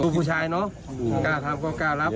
ผู้ชายเนอะกล้าทำก็กล้ารับ